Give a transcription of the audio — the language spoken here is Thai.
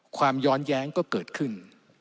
ความย้อนแย้งก็เกิดขึ้น